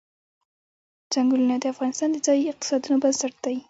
چنګلونه د افغانستان د ځایي اقتصادونو بنسټ دی.